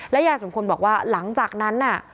ยายสมควรบอกว่าหลังจากนั้นน่ะ